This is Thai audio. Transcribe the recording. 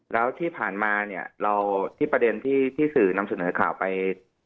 แล้วที่ผ่านมาเนี่ยเราที่ประเด็นที่สื่อนำเสนอข่าวไป